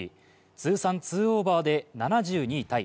通算２オーバーで７２位タイ。